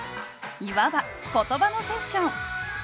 いわば言葉のセッション。